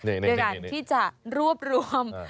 ดังนั้นที่จะรวบรวม